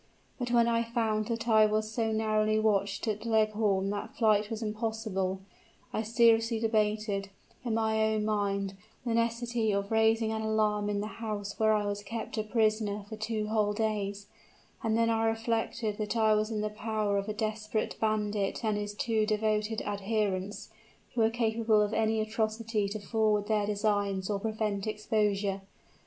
But when I found that I was so narrowly watched at Leghorn that flight was impossible, I seriously debated, in my own mind, the necessity of raising an alarm in the house where I was kept a prisoner for two whole days; and then I reflected that I was in the power of a desperate bandit and his two devoted adherents, who were capable of any atrocity to forward their designs or prevent exposure.